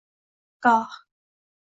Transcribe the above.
Goh